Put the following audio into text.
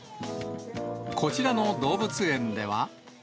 こちらの動物園では。